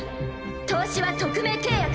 投資は匿名契約。